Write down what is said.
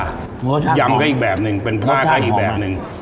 ยำก็อีกแบบหนึ่งเป็นผ้าก็อีกแบบหนึ่ง